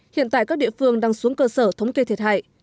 hiện tại các địa phương đang xuống cơ sở thống kê thiệt hại